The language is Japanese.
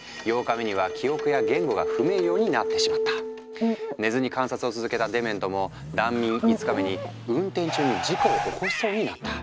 すると寝ずに観察を続けたデメントも断眠５日目に運転中に事故を起こしそうになった。